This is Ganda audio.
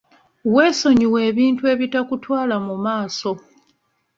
Weesonyiwe ebintu ebitakutwala mu maaso.